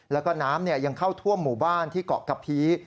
แล้วก็น้ำยังเข้าท่วมหมู่บ้านที่เกาะกะพี